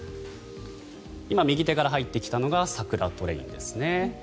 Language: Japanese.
今、右手から入ってきたのがサクラトレインですね。